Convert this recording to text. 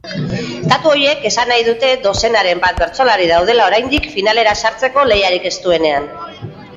Datu horiek esan nahi dute dozenaren bat bertsolari daudela oraindik finalera sartzeko lehiarik estuenean.